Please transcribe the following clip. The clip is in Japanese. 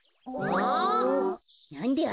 あ。